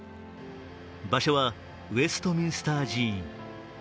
場所はウェストミンスター寺院。